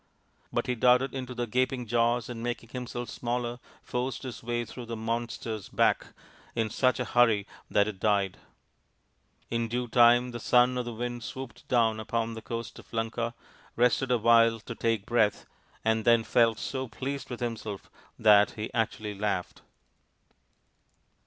But he darted into the gaping jaws and making himself smaller forced his way through the monster's back in such a hurry that it died. In due time the Son of the Wind swooped down upon the coast of Lanka, rested a RAMA'S QUEST 33 to take breath, and then felt so pleased with himself that he actually laughed.